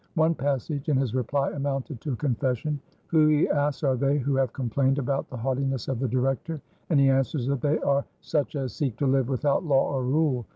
One passage in his reply amounted to a confession. Who, he asks, are they who have complained about the haughtiness of the Director, and he answers that they are "such as seek to live without law or rule."